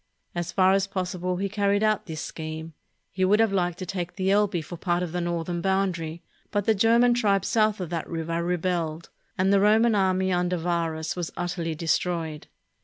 As far as possible, he carried out this scheme. He would have liked to take the Elbe for part of the northern boundary; but the German tribes south of that river rebelled, and the Roman army under Varus was utterly destroyed.